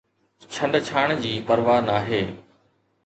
ڇنڊڇاڻ جي پرواهه ناهي